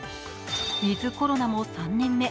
ウィズ・コロナも３年目。